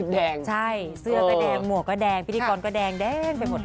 แดงหัวก็แดงพิธีกรก็แดงแดงไปหมดเลย